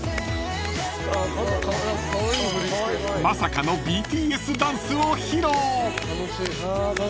［まさかのＢＴＳダンスを披露］